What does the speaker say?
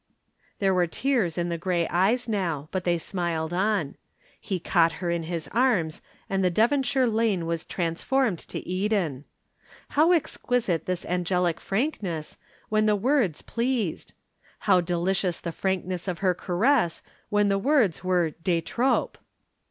There were tears in the gray eyes now, but they smiled on. He caught her in his arms and the Devonshire lane was transformed to Eden. How exquisite this angelic frankness, when the words pleased! How delicious the frankness of her caress when words were de trop!